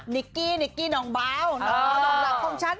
นิกกี้นิกกี้น้องเบาน้องเบาน้องเบาน้องหลักของฉัน